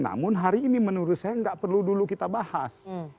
namun hari ini menurut saya nggak perlu dulu kita bahas